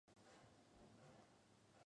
可用于入药。